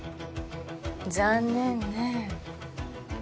残念ね。